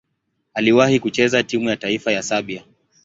Aliwahi kucheza timu ya taifa ya Serbia.